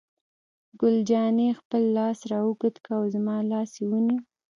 ګل جانې خپل لاس را اوږد کړ او زما لاس یې ونیو.